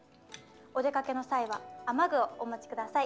お出かけの際は雨具をお持ちください。